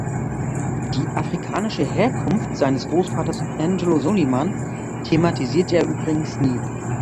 Die afrikanische Herkunft seines Großvaters Angelo Soliman thematisiert er übrigens nie.